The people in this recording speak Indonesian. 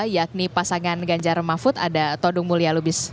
yakni pasangan ganjar mahfud ada todung mulia lubis